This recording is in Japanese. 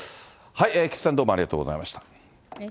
菊池さん、ありがとうございました。